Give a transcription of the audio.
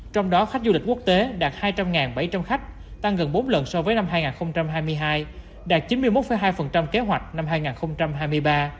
trong đó khách du lịch quốc tế đạt hai trăm linh bảy trăm linh khách tăng gần bốn lần so với năm hai nghìn hai mươi hai đạt chín mươi một hai kế hoạch năm hai nghìn hai mươi ba